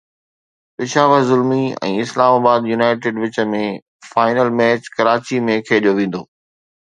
Peshawar Zalmi ۽ Islamabad United وچ ۾ final match Karachi ۾ کيڏيو ويندو